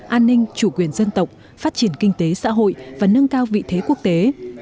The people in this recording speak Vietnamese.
an ninh chủ quyền dân tộc phát triển kinh tế xã hội và nâng cao vị thế quốc tế